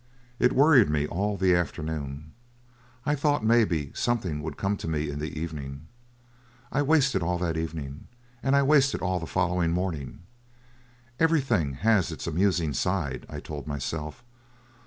It worried me all the afternoon. I thought, maybe, something would come to me in the evening. I wasted all that evening, and I wasted all the following morning. Everything has its amusing side, I told myself.